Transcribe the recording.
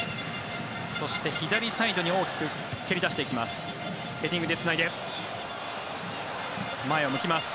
そして左サイドに大きく蹴り出していきます。